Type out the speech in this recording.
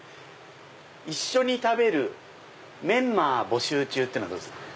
「一緒に食べるメンマー募集中」どうですか？